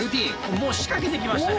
もう仕掛けてきましたね